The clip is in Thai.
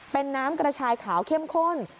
เป็นน้ำกระชายขาวเข้มข้น